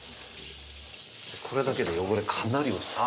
これだけで汚れかなりあぁ